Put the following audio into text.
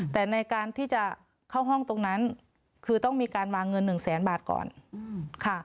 แต่ในการที่จะเข้าห้องตรงนั้นคือต้องมีการวางเงินหนึ่งแสนบาทก่อนค่ะ